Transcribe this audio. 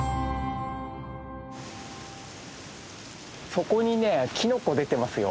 そこにねキノコ出てますよ。